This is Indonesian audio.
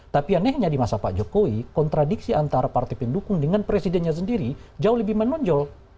tapi anehnya di masa pak jokowi kontradiksi antara partai pendukung dengan presidennya sendiri jauh lebih menonjol